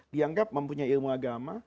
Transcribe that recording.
dianggap mempunyai ilmu agama